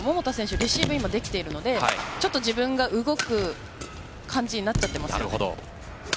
レシーブできているのでちょっと自分が動く感じになっちゃってますね。